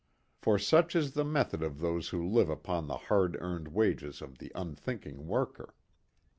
For such is the method of those who live upon the hard earned wages of the unthinking worker.